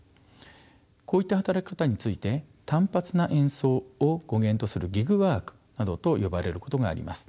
こういった働き方について「単発な演奏」を語源とするギグワークなどと呼ばれることがあります。